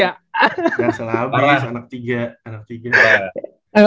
jaksal abis anak tiga